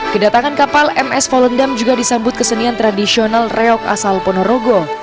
kedatangan kapal ms volendam juga disambut kesenian tradisional reok asal ponorogo